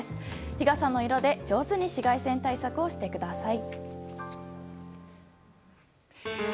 日傘の色で上手に紫外線対策をしてください。